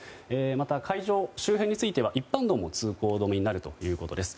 また、会場周辺については一般道も通行止めになるということです。